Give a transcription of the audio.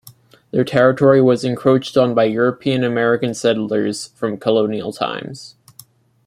Their territory was encroached on by European-American settlers from colonial times.